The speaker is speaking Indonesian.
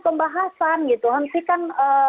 pembahasan gitu hentikan